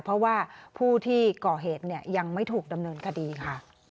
เพราะว่าผู้ที่ก่อเหตุเนี่ยยังไม่ถูกดำเนินคดีค่ะ